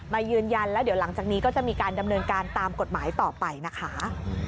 ยืนยันแล้วเดี๋ยวหลังจากนี้ก็จะมีการดำเนินการตามกฎหมายต่อไปนะคะ